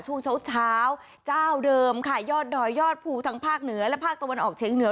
ช่วงเช้าเช้าเจ้าเดิมค่ะยอดดอยยอดภูทางภาคเหนือและภาคตะวันออกเฉียงเหนือ